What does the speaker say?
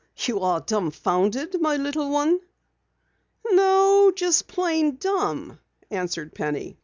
You are dumbfounded, my little one?" "No, just plain dumb," answered Penny.